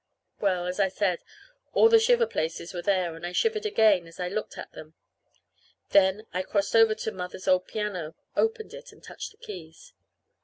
Well, as I said, all the shiver places were there, and I shivered again as I looked at them; then I crossed over to Mother's old piano, opened it, and touched the keys.